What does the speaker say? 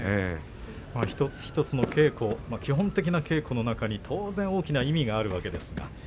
一つ一つの稽古の中に当然大きな意味があるわけです。